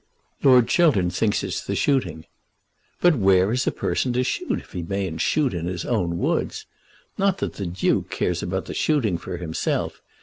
"Lord Chiltern thinks it's the shooting." "But where is a person to shoot if he mayn't shoot in his own woods? Not that the Duke cares about the shooting for himself.